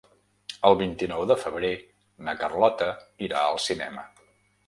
El vint-i-nou de febrer na Carlota irà al cinema.